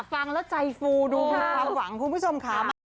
ฟังแล้วใจฟูดูมีความหวังคุณผู้ชมค่ะ